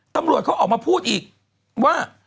ตำรวจเขาออกมาพูดอีกว่า